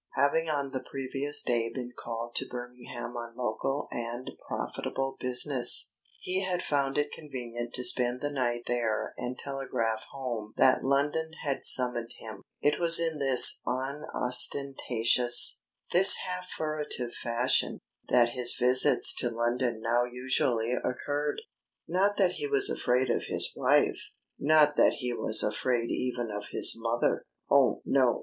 Having on the previous day been called to Birmingham on local and profitable business, he had found it convenient to spend the night there and telegraph home that London had summoned him. It was in this unostentatious, this half furtive fashion, that his visits to London now usually occurred. Not that he was afraid of his wife! Not that he was afraid even of his mother! Oh, no!